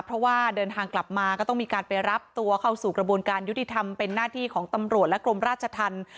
เพราะว่าเดินทางกลับมาก็ต้องมีการไปรับตัวเข้าสู่กระบวนการยุติธรรมเป็นหน้าที่ของตำรวจและกรมราชธรรม